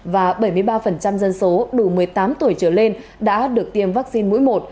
và bảy mươi ba dân số đủ một mươi tám tuổi trở lên đã được tiêm vaccine mũi một